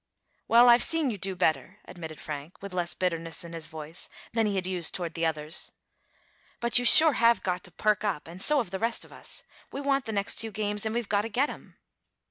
"Well, I've seen you do better," admitted Frank, with less bitterness in his voice than he had used toward the others. "But you sure have got to perk up, and so have the rest of us. We want the next two games, and we've got to get 'em!"